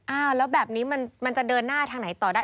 อ้าวแล้วแบบนี้มันจะเดินหน้าทางไหนต่อได้